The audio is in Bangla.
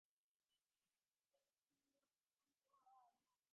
রুটিন মেনে পড়াশোনার মতো চলছিল নিয়মিত ওস্তাদের কাছে তালিম নেওয়ার পালা।